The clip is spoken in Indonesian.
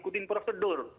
kita sudah ngikutin prosedur